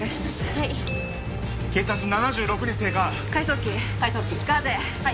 はい血圧７６に低下開創器開創器ガーゼはい